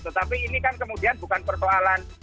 tetapi ini kan kemudian bukan persoalan